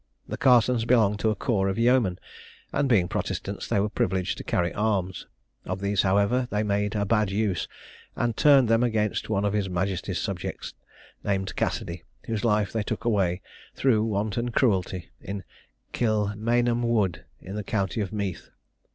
The Carsons belonged to a corps of yeomen; and being Protestants, they were privileged to carry arms. Of these, however, they made a bad use, and turned them against one of his Majesty's subjects, named Cassidy, whose life they took away, through wanton cruelty, in Kilmainham Wood, in the county of Meath.